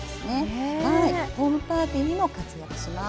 ホームパーティーにも活躍します。